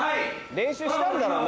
練習したんだろうな？